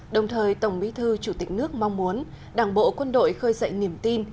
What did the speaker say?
đồng thời tổng bí thư chủ tịch nước mong muốn đảng bộ quân đội khơi dậy niềm tin